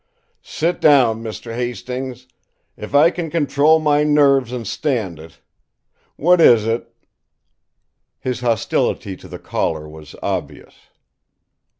"Sit down, Mr. Hastings, if I can control my nerves, and stand it. What is it?" His hostility to the caller was obvious.